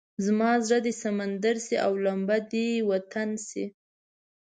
زما زړه دې سمندر شي او لمبه دې وطن شي.